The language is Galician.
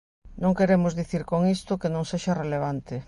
Non queremos dicir con isto que non sexa relevante.